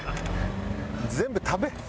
全部食べ。